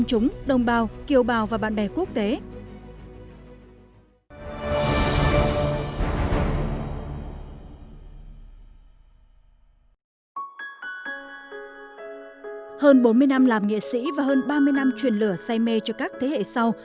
hơn bốn mươi năm làm nghệ sĩ và hơn ba mươi năm truyền lửa say mê cho các thế hệ sau